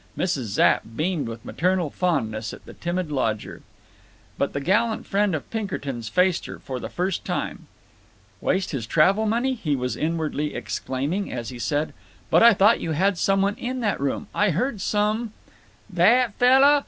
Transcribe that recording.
Mrs. Zapp beamed with maternal fondness at the timid lodger. But the gallant friend of Pinkertons faced her—for the first time. "Waste his travel money?" he was inwardly exclaiming as he said: "But I thought you had some one in that room. I heard som—" "That fellow!